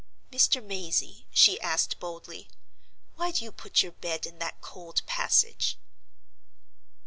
"Mr. Mazey," she asked, boldly, "why do you put your bed in that cold passage?"